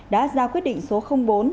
đã ra quyết định số bốn